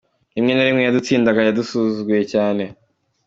Rimwe na Rimwe yadutsindaga yadusuzuguye cyane.